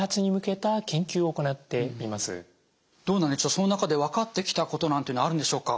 その中で分かってきたことなんていうのはあるんでしょうか？